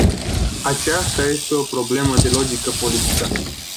Aceasta este o problemă de logică politică.